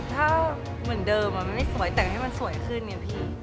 ถ้าเหมือนเดิมมันไม่สวยแต่งให้มันสวยขึ้นไงพี่